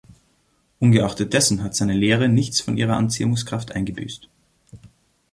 Ungeachtet dessen hat seine Lehre nichts von ihrer Anziehungskraft eingebüßt.